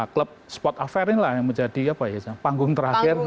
klub spot affair ini lah yang menjadi apa ya panggung terakhir